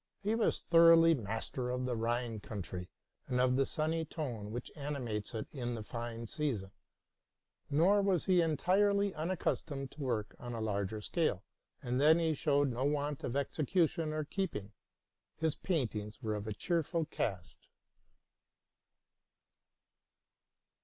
He was thoroughly master of the Rhine country, and of the sunny tone which animates it in the fine season. Nor was he entirely unaccustomed to work on a larger scale, and then he showed no want of execution or keeping. His paint ings were of a cheerful cast.